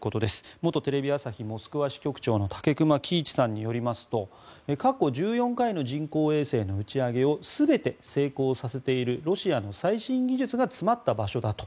元テレビ朝日モスクワ支局長の武隈喜一さんによりますと過去１４回の人工衛星の打ち上げを全て成功させているロシアの最新技術が詰まった場所だと。